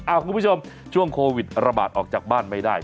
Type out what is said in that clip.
คุณผู้ชมช่วงโควิดระบาดออกจากบ้านไม่ได้